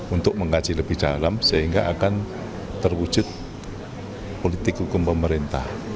untuk mengkaji lebih dalam sehingga akan terwujud politik hukum pemerintah